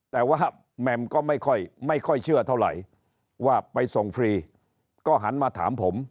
แต่ว่าแหม่มก็ไม่ค่อยเชื่อเท่าไหร่ว่าไปส่งฟรีก็หันมาถามผม